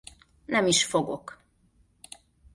Nem is fogok.